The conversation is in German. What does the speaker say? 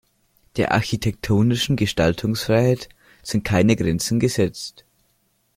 Der architektonischen Gestaltungsfreiheit sind keine Grenzen gesetzt.